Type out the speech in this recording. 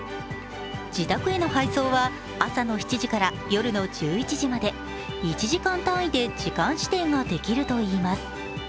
自宅への配送は朝の７時から夜の１１時まで１時間単位で時間指定ができるといいます。